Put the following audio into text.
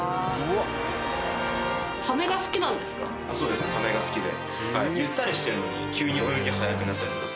そうですサメが好きで。